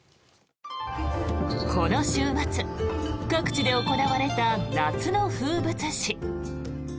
この週末、各地で行われた夏の風物詩。